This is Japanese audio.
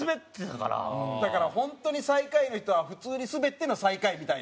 だから本当に最下位の人は普通にスベっての最下位みたいな。